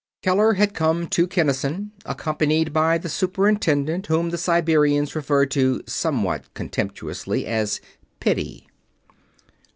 Keller had come to Kinnison, accompanied by the Superintendent whom the Siberians referred to, somewhat contemptuously, as "Piddy."